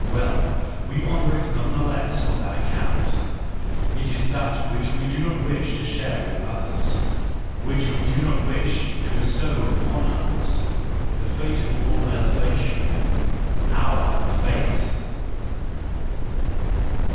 —well, we honour it none the less on that account; it is that which we do not wish to share with others, which we do not wish to bestow upon others, the fate of all elevation, <mr fate.